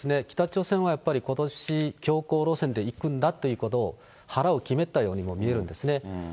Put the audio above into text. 北朝鮮はやっぱりことし、強硬路線でいくんだっていうことを、腹を決めたようにも見えるんですね。